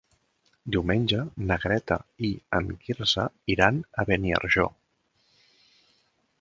Diumenge na Greta i en Quirze iran a Beniarjó.